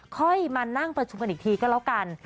ค่อยมานั่งประชุมกันอีกทีก็แล้วกัน